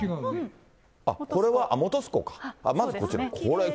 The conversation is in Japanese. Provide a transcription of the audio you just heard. これは本栖湖か、まずこちら。